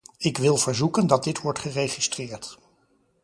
Ik wil verzoeken dat dit wordt geregistreerd.